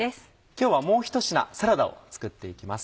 今日はもうひと品サラダを作っていきます。